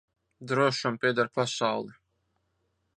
Drošam pieder pasaule.